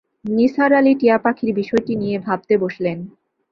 নিসার আলি টিয়াপাখির বিষয়টি নিয়ে ভাবতে বসলেন।